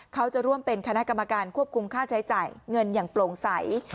เขาจะร่วมเป็นคณะกรรมการควบคุมค่าใช้จ่ายเงินอย่างโปร่งใส